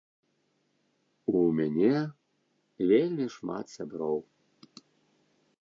У мяне вельмі шмат сяброў.